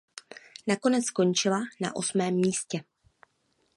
Nakonec skončila na osmém místě.